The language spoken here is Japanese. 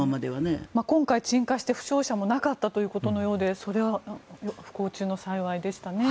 今回、鎮火して負傷者もなかったというようでそれは不幸中の幸いでしたね。